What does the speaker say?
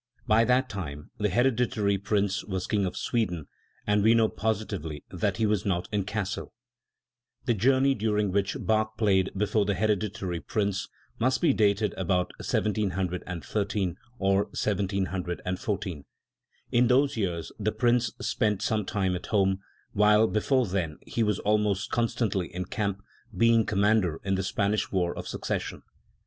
By that time the Hereditary Prince was King of Sweden, and we know positively that he was not in Cassel. The journey during which Bach played before the Hereditary Prince must be dated about 1713 or 1714. In those years the Prince spent some time at home, while before then he was almost constantly in camp, being commander in the Span ish War of Succession.